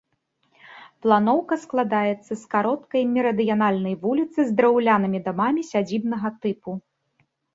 Планоўка складаецца з кароткай мерыдыянальнай вуліцы з драўлянымі дамамі сядзібнага тыпу.